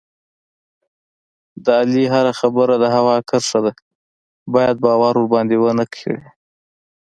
د علي هره خبره د هوا کرښه ده، باید باور ورباندې و نه کړې.